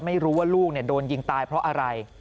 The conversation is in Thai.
ไม่รู้ว่าลูกโดนยิงตายเพราะอะไร